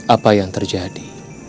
apa yang terjadi